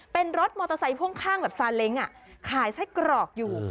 เป็นรถมอเตอร์ไซค์พ่วงข้างแบบซาเล้งขายไส้กรอกอยู่